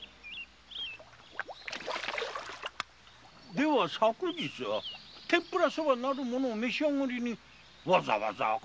では昨日は天ぷらソバなるものをお召し上がりにわざわざ赤坂まで？